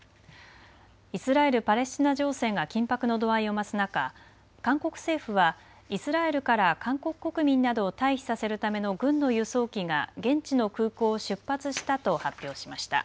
イスラエル・パレスチナ情勢が緊迫の度合いを増す中、韓国政府はイスラエルから韓国国民などを退避させるための軍の輸送機が現地の空港を出発したと発表しました。